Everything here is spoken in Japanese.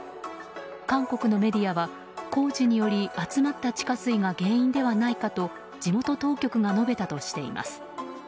韓国のメディアは工事により集まった地下水が原因ではないかと地元当局が述べたとしています。